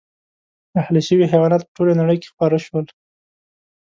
اهلي شوي حیوانات په ټولې نړۍ کې خپاره شول.